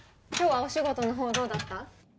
今日はお仕事のほうどうだった？